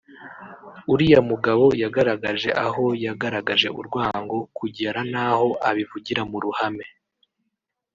uriya mugabo yagaragaje aho yagaragaje urwango kugera n’aho abivugira mu ruhame